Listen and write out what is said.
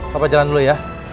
papa jalan dulu ya